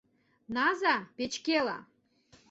Наза печкела!